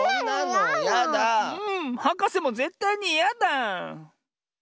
はかせもぜったいにいやだ！